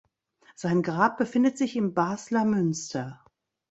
Sein Grab befindet sich im Basler Münster.